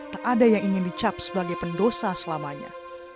tak ada yang ingin dicap sebagai pendosa selamanya